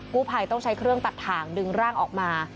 ผู้ภัยต้องใช้เครื่องตัดถ่างดึงร่างออกมา